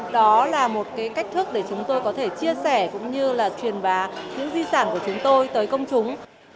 đó là một cái cách thức để chúng tôi có thể chia sẻ cũng như là truyền bá những di sản của chúng tôi tới công chúng